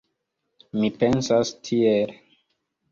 Mi pensas tiel.